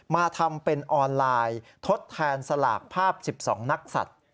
มาทำเป็นออนไลน์ทดแทนสลากภาพ๑๒นักศัตริย์